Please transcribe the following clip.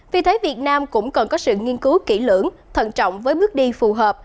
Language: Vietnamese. vì thế việt nam cũng cần có sự nghiên cứu kỹ lưỡng thận trọng với bước đi phù hợp